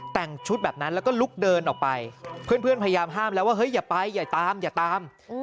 แต่งชุดแบบนั้นแล้วก็ลุกเดินออกไปเพื่อนพยายามห้ามแล้วว่าเฮ้ยอย่าไปอย่าตามอย่าตาม